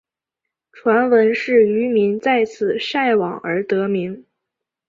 传闻是渔民在此晒网而得名。